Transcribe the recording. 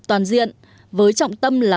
toàn diện với trọng tâm là